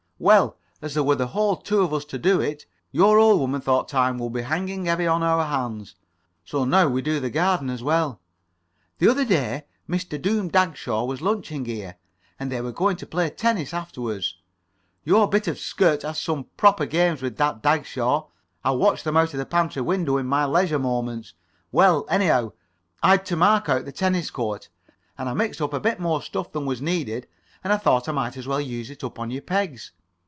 Well, as there were the whole two of us to do it, your old woman thought time would be hanging heavy on our hands, so now we do the garden as well. The other day Mr. Doom Dagshaw was lunching here, and they were going to play tennis afterwards. Your bit of skirt has some proper games with that Dagshaw. I watch them out of the pantry window in my leisure moments. Well, anyhow, I'd to mark out the tennis court, and I mixed up a bit more of the stuff than was needed, and I thought I might as well use it up on your pegs.